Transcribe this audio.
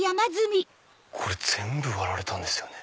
これ全部割られたんですよね。